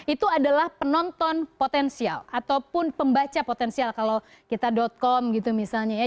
itu adalah penonton potensial ataupun pembaca potensial kalau kita com gitu misalnya ya